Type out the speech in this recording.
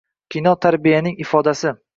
Kino – tarbiyaning ifodasi